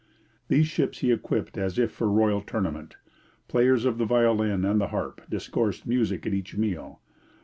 These ships he equipped as if for royal tournament. Players of the violin and the harp discoursed music at each meal.